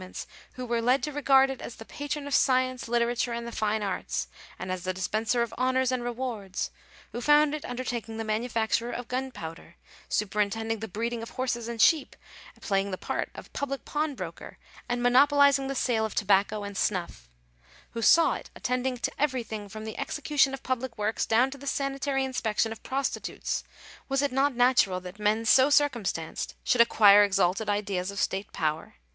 291 ments — who were led to regard it as the patron of science, literature, and the fine arts, and as the dispenser of honours and rewards — who found it undertaking the manufacture of gunpowder, superintending the breeding of horses and sheep, playing the part of public pawnbroker, and monopolizing the sale of tobacco and snuff— who saw it attending to everything, from the execution of public works down to the sanitary in spection of prostitutes — was it not natural that men so circum stanced should acquire exalted ideas of state power